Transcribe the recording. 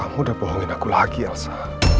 kamu sudah bohongin aku lagi elsa